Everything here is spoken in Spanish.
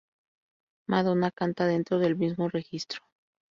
Madonna canta dentro del mismo registro.